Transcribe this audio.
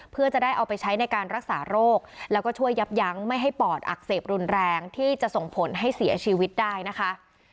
เพื่อจะได้เอาไปใช้ในการรักษาโรคแล้วก็ช่วยยับยั้งไม่ให้ปอดอักเสบรุนแรงที่จะส่งผลให้เสียชีวิตได้นะคะ